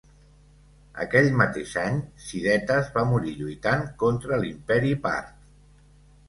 Aquell mateix any Sidetes va morir lluitant contra l'imperi part.